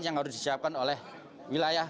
yang harus disiapkan oleh wilayah